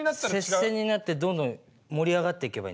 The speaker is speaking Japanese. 接戦になってどんどん盛り上がっていけばいいんだよ。